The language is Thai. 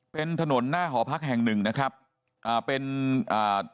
เป็นถนนหน้าหอพักแห่งหนึ่งนะครับอ่าเป็นอ่า